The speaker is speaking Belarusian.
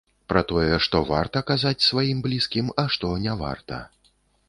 Пра тое, што варта казаць, сваім блізкім, а што не варта.